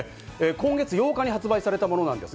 今月８日に発売されたものです。